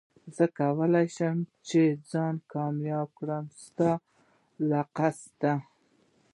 زه کولي شم ځان کامياب کړم ستا له قصده